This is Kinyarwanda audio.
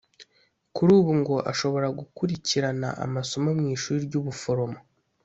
Kuri ubu ngo ashobora gukurikirana amasomo mu ishuri ry’ubuforomo